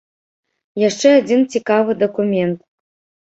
Яшчэ адзін цікавы дакумент.